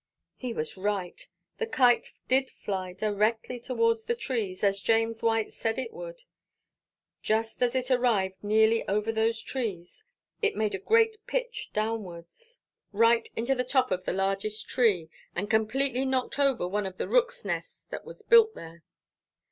He was right, the Kite did fly directly towards the trees, as James White said it would. Just as it arrived nearly over those trees, it made a great pitch downwards, right into the top of the largest tree, and completely knocked over one of the rooks' nests that was built there.